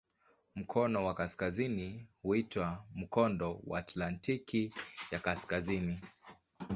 Mkono wa kaskazini huitwa "Mkondo wa Atlantiki ya Kaskazini".